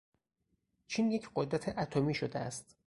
چین یک قدرت اتمی شده است.